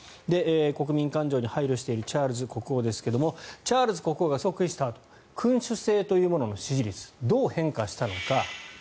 国民感情に配慮しているチャールズ国王ですがチャールズ国王が即位したあと君主制というものの支持率どう変化したのか。